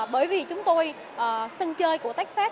bởi vì chúng tôi sân chơi của texas